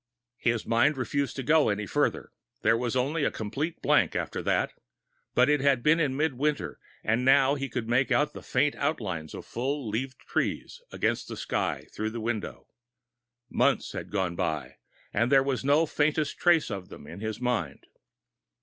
His mind refused to go further. There was only a complete blank after that. But it had been in midwinter, and now he could make out the faint outlines of full leafed trees against the sky through the window! Months had gone by and there was no faintest trace of them in his mind.